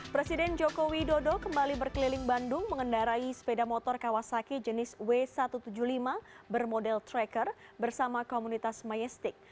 presiden joko widodo kembali berkeliling bandung mengendarai sepeda motor kawasaki jenis w satu ratus tujuh puluh lima bermodel tracker bersama komunitas majestic